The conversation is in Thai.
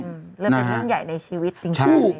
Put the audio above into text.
เรื่องเป็นเรื่องใหญ่ในชีวิตจริง